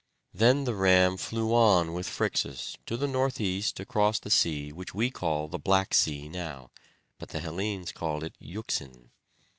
Then the ram flew on with Phrixus to the northeast across the sea which we call the Black Sea now; but the Hellenes called it Euxine.